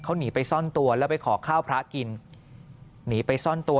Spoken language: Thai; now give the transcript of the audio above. เขาหนีไปซ่อนตัวแล้วไปขอข้าวพระกินหนีไปซ่อนตัว